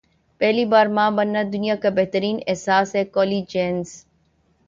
پہلی بار ماں بننا دنیا کا بہترین احساس ہے کایلی جینر